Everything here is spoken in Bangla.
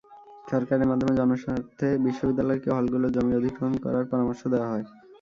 সরকারের মাধ্যমে জনস্বার্থে বিশ্ববিদ্যালয়কে হলগুলোর জমি অধিগ্রহণ করার পরামর্শ দেওয়া হয়।